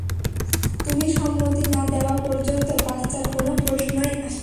তুমি সম্মতি না দেওয়া পর্যন্ত বাচ্চার কোন প্রশ্নই আসে না।